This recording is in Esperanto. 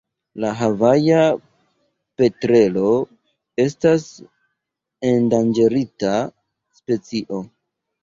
La Havaja petrelo estas endanĝerita specio.